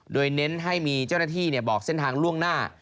โดยเน้นให้มีเจ้าหน้าที่บอกเส้นทางล่วงหน้า